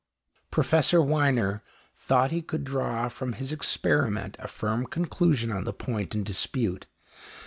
Professor Wiener thought he could draw from his experiment a firm conclusion on the point in dispute.